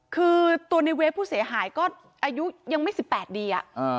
คือตัวในเวฟผู้เสียหายก็อายุยังไม่๑๘ดี